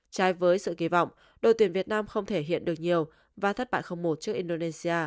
trái với sự kỳ vọng đội tuyển việt nam không thể hiện được nhiều và thất bại một trước indonesia